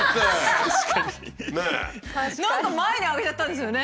何か前に上げちゃったんですよね。